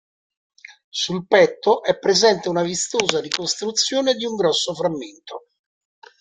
Sul petto è presente una vistosa ricostruzione di un grosso frammento.